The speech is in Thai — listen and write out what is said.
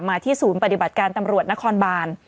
ที่ศูนย์ปฏิบัติการตำรวจนครบาน